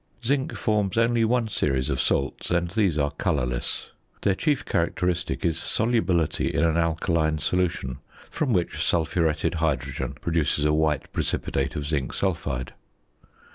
Zinc forms only one series of salts, and these are colourless. Their chief characteristic is solubility in an alkaline solution, from which sulphuretted hydrogen produces a white precipitate of zinc sulphide.